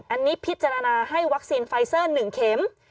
อันนี้พิจารณาให้วัคซีนไฟเซอร์๑เข็ม